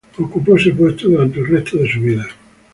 Ocupó ese puesto durante el resto de su vida.